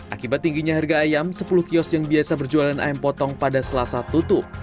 akibat tingginya harga ayam sepuluh kios yang biasa berjualan ayam potong pada selasa tutup